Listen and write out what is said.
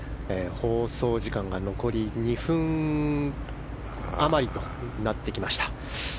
放送時間が、残り２分あまりとなってきました。